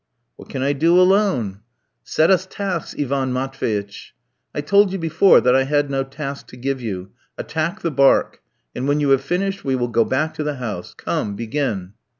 "What can I do alone?" "Set us tasks, Ivan Matveitch." "I told you before that I had no task to give you. Attack the barque, and when you have finished we will go back to the house. Come, begin."